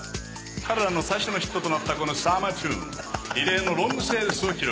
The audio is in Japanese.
彼らの最初のヒットとなったこのサマーチューン異例のロングセールスを記録。